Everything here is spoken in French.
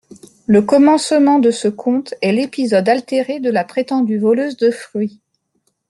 Le commencement de ce conte est l'épisode altéré de la prétendue voleuse de fruits.